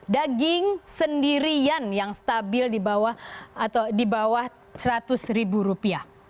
daging sendirian yang stabil di bawah rp seratus